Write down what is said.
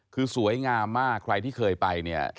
คือสวยงามมากใครที่เคยไปเนี่ย